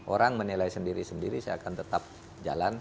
orang menilai sendiri sendiri saya akan tetap jalan